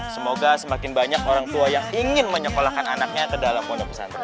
semoga semakin banyak orang tua yang ingin menyekolahkan anaknya ke dalam pondok pesantren